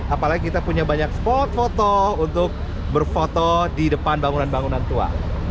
apalagi kita punya banyak spot foto untuk berfoto di depan bangunan bangunan tua